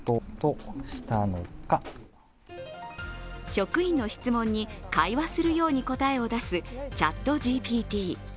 職員の質問に会話するように答えを出すＣｈａｔＧＰＴ。